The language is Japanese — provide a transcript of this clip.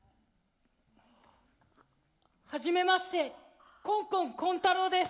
初めましてコンコンコン太郎です。